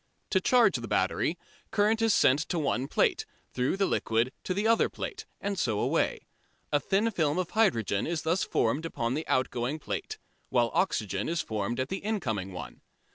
To charge the battery, current is sent to one plate, through the liquid to the other plate, and so away. A thin film of hydrogen is thus formed upon the outgoing plate, while oxygen is formed at the incoming one.